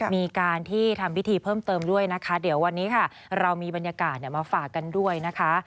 มีการที่ทำพิธีเพิ่มเติมด้วยนะคะเดี๋ยววันนี้ค่ะเรามีบรรยากาศมาฝากกันด้วยนะคะ